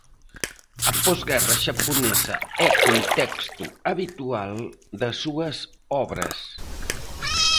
A posguerra xaponesa é contexto habitual das súas obras.